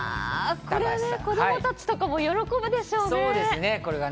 子供たちとかも喜ぶでしょうね。